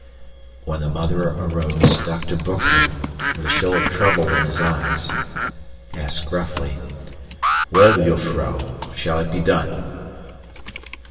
When the mother arose, Dr. Boekman, with a show of trouble in his eyes, asked gruffly, "Well, jufvrouw, shall it be done?"